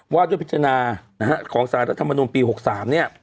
ว่าด้วยพิจารณานะฮะของสารรัฐมนุนปี๖๓เนี่ย